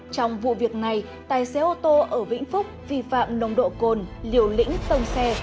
trong vụ việc này tài xế ô tô ở vĩnh phúc vi phạm nồng độ cồn liều lĩnh tông xe